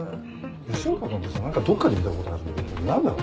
吉岡君ってさ何かどっかで見たことあるんだけど何だろ？